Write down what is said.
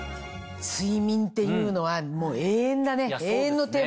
睡眠っていうのはもう永遠だね永遠のテーマ。